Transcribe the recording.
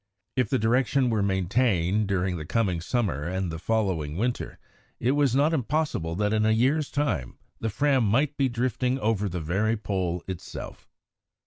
If the direction were maintained during the coming summer and the following winter, it was not impossible that in a year's time the Fram might be drifting over the very Pole itself.